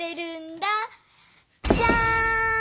じゃん！